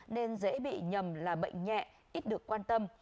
nên dễ bị nhầm là bệnh nhẹ ít được quan tâm